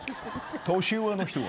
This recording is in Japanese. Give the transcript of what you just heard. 年上の人は。